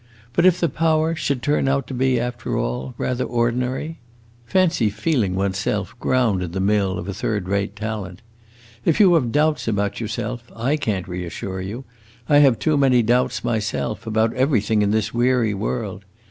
But if the power should turn out to be, after all, rather ordinary? Fancy feeling one's self ground in the mill of a third rate talent! If you have doubts about yourself, I can't reassure you; I have too many doubts myself, about everything in this weary world.